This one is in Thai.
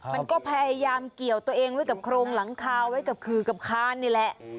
มันก็พยายามเกี่ยวตัวเองไว้กับโครงหลังคาไว้กับขื่อกับคานนี่แหละ